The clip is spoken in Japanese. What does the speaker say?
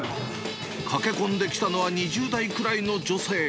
駆け込んできたのは２０代くらいの女性。